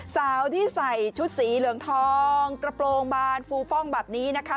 สาวที่ใส่ชุดสีเหลืองทองกระโปรงบานฟูฟ่องแบบนี้นะคะ